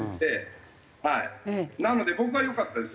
なので僕はよかったです。